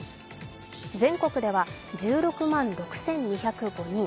全国では１６万６２０５人。